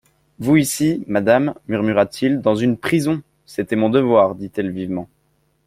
Vous ici, madame, murmura-t-il, dans une prison ! C'était mon devoir, dit-elle vivement.